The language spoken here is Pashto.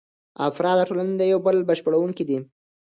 افراد او ټولنه یو د بل بشپړونکي دي.